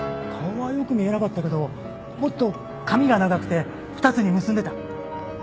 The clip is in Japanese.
顔はよく見えなかったけどもっと髪が長くて２つに結んでた。